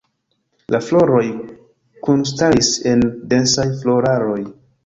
La floroj kunstaris en densaj floraroj.